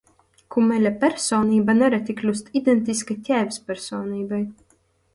Kumeļa personība nereti kļūst identiska ķēves personībai.